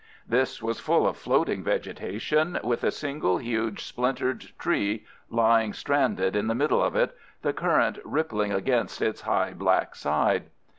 This was full of floating vegetation, with a single huge splintered tree lying stranded in the middle of it, the current rippling against its high black side.